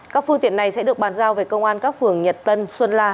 các phương tiện này sẽ được bàn giao về công an các phường nhật tân xuân la